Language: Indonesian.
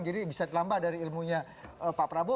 jadi bisa terlambat dari ilmunya pak prabowo